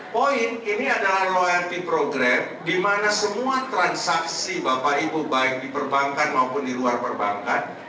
poin ini adalah loyalty program di mana semua transaksi bapak ibu baik di perbankan maupun di luar perbankan